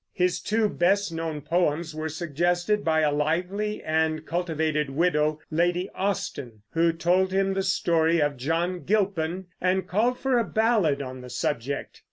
His two best known poems were suggested by a lively and cultivated widow, Lady Austen, who told him the story of John Gilpin and called for a ballad on the subject.